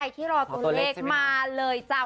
ที่รอตัวเลขมาเลยจ้า